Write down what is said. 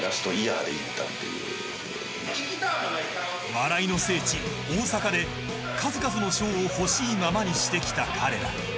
笑いの聖地、大阪で数々の賞を欲しいままにしてきた彼ら。